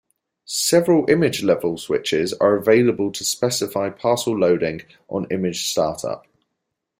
Several image level switches are available to specify parcel loading on image startup.